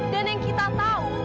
dan yang kita tahu